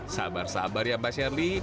sabar sabar ya mbak shelly